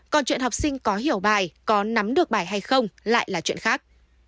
còn chuyện học sinh có hiểu bài có nắm được bài hay không lại là chuyện khác